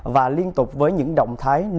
và liên tục với những động thái nới dụng